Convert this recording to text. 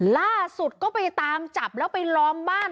ล่าสุดก็ไปตามจับแล้วไปล้อมบ้าน